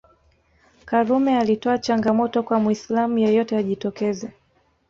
Karume alitoa changamoto kwa Muislam yeyote ajitokeze